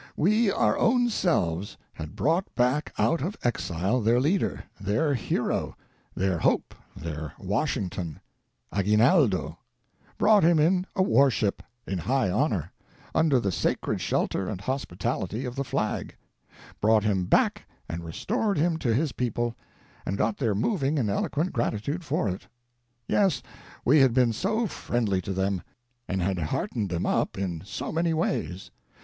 We, our own selves, had brought back out of exile their leader, their hero, their hope, their Washington — Aguinaldo ; brought him in a warship, in high honor, under the sacred shelter and hospitality of the flag; brought him back and restored him to his people, and got their moving and eloquent gratitude for it. Yes, we had been so friendly to them, and had heartened them up in so many ways